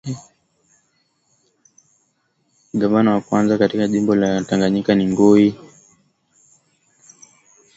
Gavana wa kwanza wa jimbo la tanganyika ni Ngoy kitangala richard